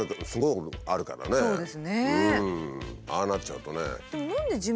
ああなっちゃうとね。